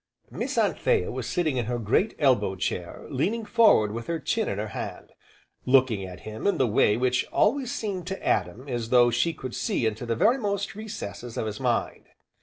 Miss Anthea was sitting in her great elbow chair, leaning forward with her chin in her hand, looking at him in the way which always seemed to Adam as though she could see into the verimost recesses of his mind.